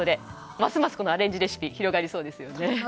ますます、このアレンジレシピ広がりそうですね。